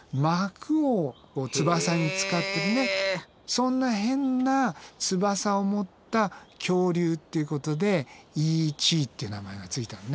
そんな変な翼をもった恐竜ってことでイー・チーって名前が付いたのね。